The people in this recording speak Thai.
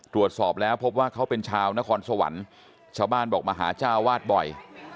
ตรวจสอบแล้วพบว่าเขาเป็นชาวนครสวรรค์ชาวบ้านบอกมาหาเจ้าวาดบ่อย